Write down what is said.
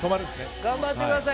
頑張ってください。